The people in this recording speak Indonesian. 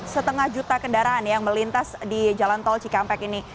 setengah juta kendaraan yang melintas di jalan tol cikampek ini